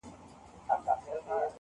له خپلو منبرونو به مو ږغ د خپل بلال وي -